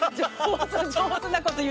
上手なこと言って。